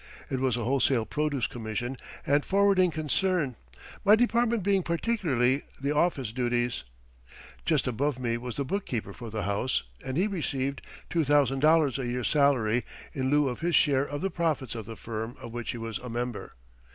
It was a wholesale produce commission and forwarding concern, my department being particularly the office duties. Just above me was the bookkeeper for the house, and he received $2,000 a year salary in lieu of his share of the profits of the firm of which he was a member.